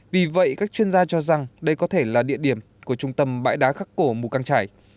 vì vậy các chuyên gia cho rằng đây có thể là địa điểm của trung tâm bãi đá khắc cổ mù căng trải